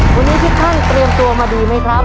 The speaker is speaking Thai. วันนี้พี่ข้าพี่เตรียมตัวมาดีมั้ยครับ